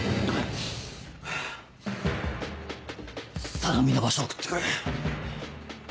相模の場所を送ってくれ。